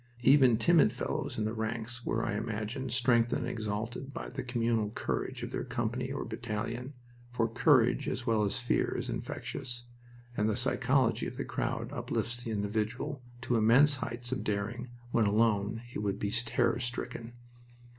Even timid fellows in the ranks were, I imagine, strengthened and exalted by the communal courage of their company or battalion, for courage as well as fear is infectious, and the psychology of the crowd uplifts the individual to immense heights of daring when alone he would be terror stricken.